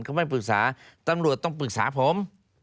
เขาไม่ปรึกษาตำรวจต้องปรึกษาผม